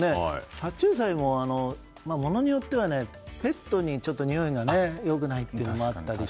殺虫剤もものによってはペットににおいが良くないのもあって。